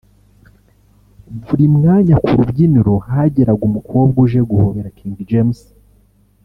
Buri mwanya ku rubyiniro hageraga umukobwa uje guhobera King James